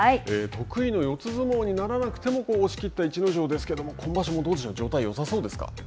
得意の四つ相撲にならなくても押し切った逸ノ城ですがこの相撲はどうでしょうか状態はよさそうでしょうか。